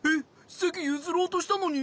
せきゆずろうとしたのに？